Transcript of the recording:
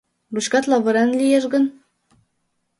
Ручкат лавыран лиеш гын?